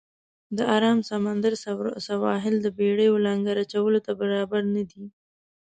د آرام سمندر سواحل د بېړیو لنګر اچولو ته برابر نه دی.